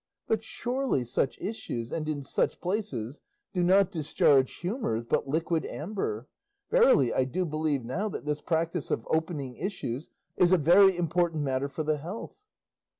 But surely such issues, and in such places, do not discharge humours, but liquid amber. Verily, I do believe now that this practice of opening issues is a very important matter for the health."